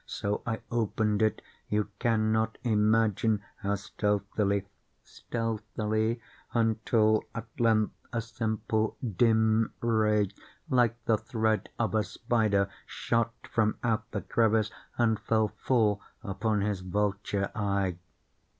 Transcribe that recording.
So I opened it—you cannot imagine how stealthily, stealthily—until, at length a simple dim ray, like the thread of the spider, shot from out the crevice and fell full upon the vulture eye.